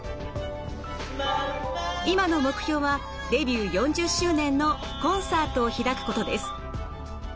今の目標はデビュー４０周年のコンサートを開くことです。